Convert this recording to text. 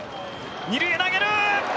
２塁へ投げる！